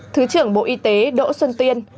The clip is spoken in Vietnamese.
thứ trưởng bộ y tế đỗ xuân tiên